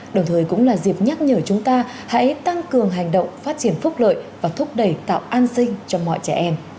đồng thời cũng là dịp nhắc nhở chúng ta hãy tăng cường hành động phát triển phúc lợi và thúc đẩy tạo an sinh cho mọi trẻ em